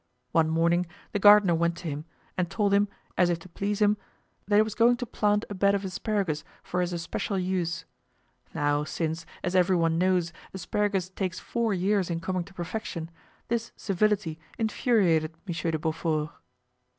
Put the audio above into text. One morning the gardener went to him and told him, as if to please him, that he was going to plant a bed of asparagus for his especial use. Now, since, as every one knows, asparagus takes four years in coming to perfection, this civility infuriated Monsieur de Beaufort.